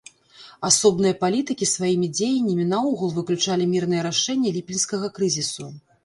Асобныя палітыкі сваімі дзеяннямі наогул выключалі мірнае рашэнне ліпеньскага крызісу.